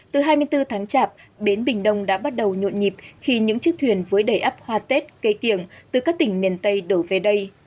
từ hai mươi bốn tháng chạp bến bình đông đã bắt đầu nhộn nhịp khi những chiếc thuyền với đầy ấp hoa tết cây tiền từ các tỉnh miền tây đổ về đây